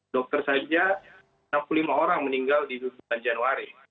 dokter saja enam puluh lima orang meninggal di bulan januari